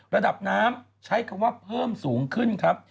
ระดับน้ำใช้คำว่าเพิ่มสูงขึ้นครับ